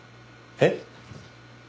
えっ？